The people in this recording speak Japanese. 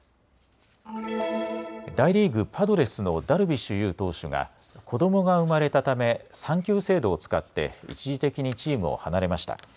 大リーグ、パドレスのダルビッシュ有投手が子どもが生まれたため産休制度を使って一時的にチームを離れました。